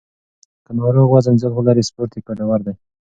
که ناروغ وزن زیات ولري، سپورت یې ګټور دی.